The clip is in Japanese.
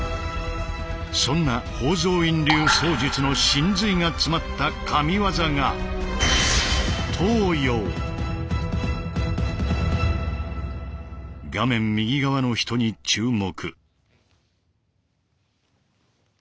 そんな宝蔵院流槍術の神髄が詰まったＫＡＭＩＷＡＺＡが画面右側の人に注目。